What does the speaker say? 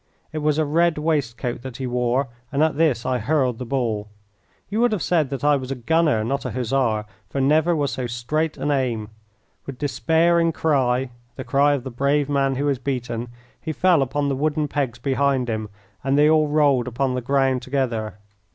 It was a red waistcoat that he wore, and at this I hurled the ball. You would have said that I was a gunner, not a hussar, for never was so straight an aim. With a despairing cry the cry of the brave man who is beaten he fell upon the wooden pegs behind him, and they all rolled upon the ground together.